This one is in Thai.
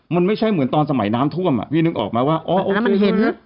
มันไม่ใช่เหมือนตอนสมัยน้ำท่วมอ่ะพี่นึกออกไหมว่าอ๋อมันเห็น